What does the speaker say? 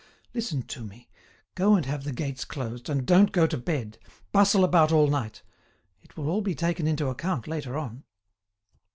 Listen to me, go and have the gates closed, and don't go to bed; bustle about all night; it will all be taken into account later on."